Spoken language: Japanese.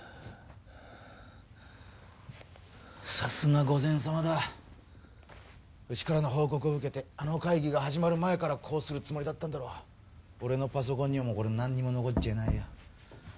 さすが御前様だうちからの報告を受けてあの会議が始まる前からこうするつもりだったんだろう俺のパソコンにもこれ何にも残っちゃいないよ